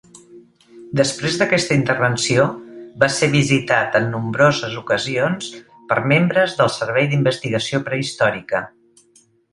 Després d'aquesta intervenció va ser visitat en nombroses ocasions per membres del Servei d'Investigació Prehistòrica.